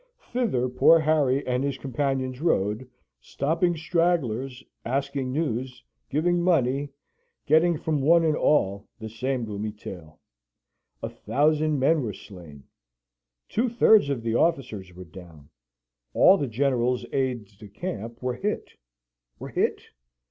Thither poor Harry and his companions rode, stopping stragglers, asking news, giving money, getting from one and all the same gloomy tale a thousand men were slain two thirds of the officers were down all the General's aides de camp were hit. Were hit?